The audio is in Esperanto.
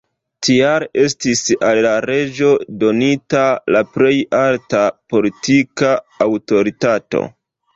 Tial estis al la reĝo donita la plej alta politika aŭtoritato.